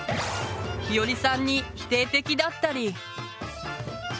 ひよりさんに否定的だったり。